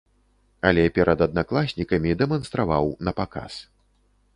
Але перад аднакласнікамі дэманстраваў напаказ.